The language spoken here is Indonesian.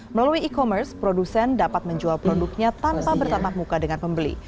melalui e commerce produsen dapat menjual produknya tanpa bertatap muka dengan pembeli